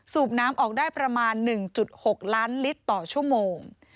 น้ำออกได้ประมาณ๑๖ล้านลิตรต่อชั่วโมง